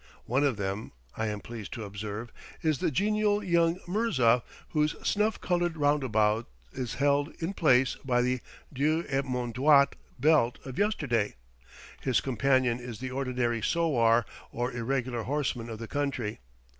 One of them, I am pleased to observe, is the genial young mirza whose snuff colored roundabout is held in place by the "dieu et mon droit" belt of yesterday; his companion is the ordinary sowar, or irregular horseman of the country.